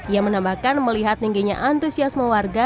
ia menambahkan melihat tingginya antusiasme warga